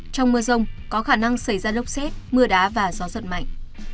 trong mưa rông có khả năng xảy ra lốc xét mưa đá và gió giật mạnh